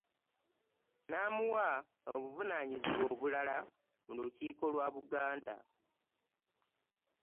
N'amuwa obuvunaanyizibwa obulala mu lukiiko lwa Buganda